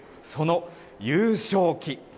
その優勝旗。